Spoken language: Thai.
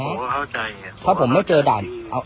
เอาเพราะผมว่าเข้าใจถ้าผมไม่เจอดาด